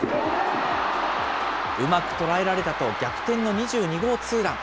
うまく捉えられたと逆転の２２号ツーラン。